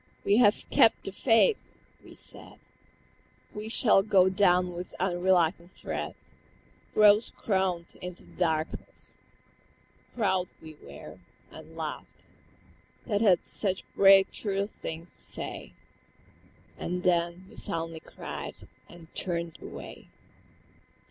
We have kept the faith!" we said; "We shall go down with unreluctant tread Rose crowned into the darkness!" ... Proud we were, And laughed, that had such brave true things to say. And then you suddenly cried, and turned away.